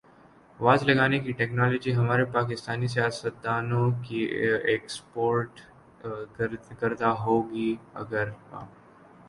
was لگانے کی technology ہمارے پاکستانی سیاستدا نوں کی ایکسپورٹ کردہ ہوگی اگر آ